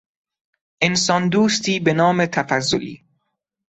انسان دوستی بنام تفضلی